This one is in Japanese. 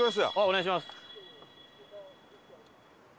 お願いします。